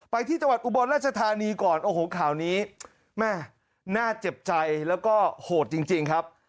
ไปที่จังหวัดอุบลราชธานีก่อนโอ้โหข่าวนี้แม่น่าเจ็บใจแล้วก็โหดจริงครับ